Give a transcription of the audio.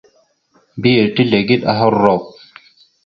Mbiyez tezlegeɗ aha rrok.